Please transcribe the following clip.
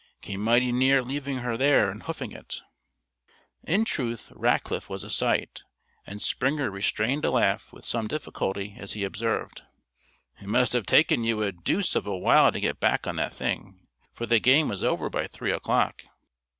Came mighty near leaving her there and hoofing it." In truth, Rackliff was a sight, and Springer restrained a laugh with some difficulty as he observed: "It must have taken you a deuce of a while to get back on that thing, for the game was over by three o'clock."